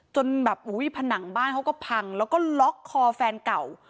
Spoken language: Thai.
จนแบบอุ้ยผนังบ้านเขาก็พังแล้วก็ล็อกคอแฟนเก่า